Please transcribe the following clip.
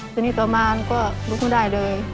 วันนี้ประมาณก็ลุกไม่ได้เลย